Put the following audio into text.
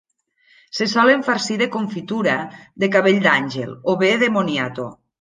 Se solen farcir de confitura de cabell d'àngel o bé de moniato.